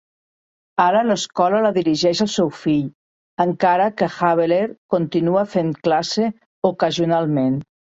Ara l'escola la dirigeix el seu fill, encara que Habeler continua fent classe ocasionalment.